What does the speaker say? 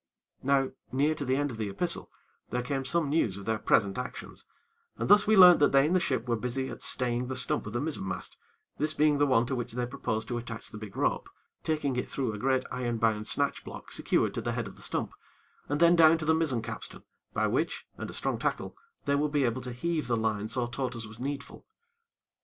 Now, near to the end of the epistle, there came some news of their present actions, and thus we learnt that they in the ship were busy at staying the stump of the mizzen mast, this being the one to which they proposed to attach the big rope, taking it through a great iron bound snatch block, secured to the head of the stump, and then down to the mizzen capstan, by which, and a strong tackle, they would be able to heave the line so taut as was needful.